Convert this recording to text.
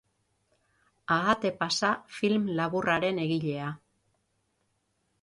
Ahate pasa film laburraren egilea.